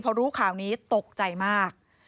พอรู้ข่าวนี้ตกใจมาก